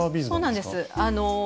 そうなんです。